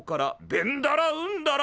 ベンダラウンダラ。